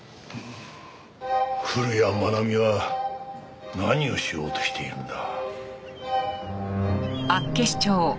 古谷愛美は何をしようとしているんだ？